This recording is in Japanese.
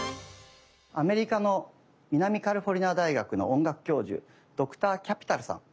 アメリカの南カリフォルニア大学の音楽教授ドクター・キャピタルさん。